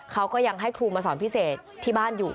เขาก็ยังให้ครูมาสอนพิเศษที่บ้านอยู่